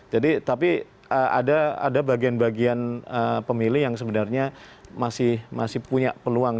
jadi tapi ada bagian bagian pemilih yang sebenarnya masih punya peluang